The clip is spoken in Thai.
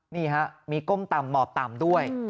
นี่ฮะมีก้มต่ำหมอบต่ำด้วย